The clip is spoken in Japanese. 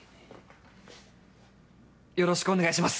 よろしくお願いします！